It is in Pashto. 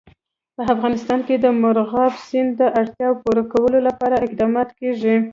په افغانستان کې د مورغاب سیند د اړتیاوو پوره کولو لپاره اقدامات کېږي.